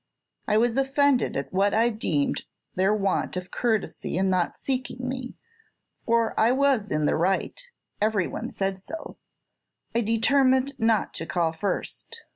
I was offended at what I deemed their want of courtesy in not seeking me, for I was in the right; every one said so. I determined not to call first.